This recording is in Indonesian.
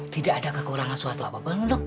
tidak ada kekurangan suatu apa apa dok